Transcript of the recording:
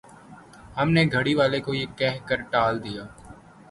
ہم نے گھر والی کو یہ کہہ کر ٹال دیا